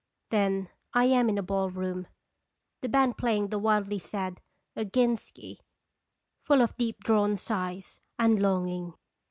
Then I am in a ballroom, the band playing the wildly sad " Oginski," full of deep drawn sighs and longing.